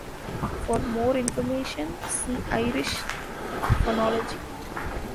For more information, see Irish phonology.